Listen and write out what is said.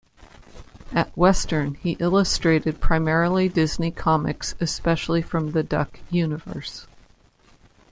At Western, he illustrated primarily Disney comics, especially from the Duck universe.